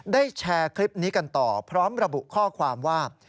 แชร์คลิปนี้กันต่อพร้อมระบุข้อความว่า